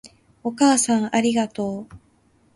お母さんありがとう